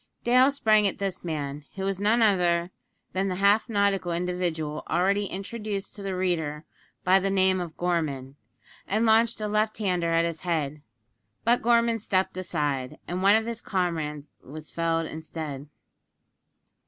Dale sprang at this man, who was none other than the half nautical individual already introduced to the reader by the name of Gorman, and launched a left hander at his head; but Gorman stepped aside, and one of his comrades was felled instead.